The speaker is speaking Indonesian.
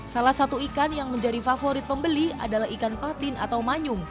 salah satu ikan yang menjadi favorit pembeli adalah ikan patin atau manyung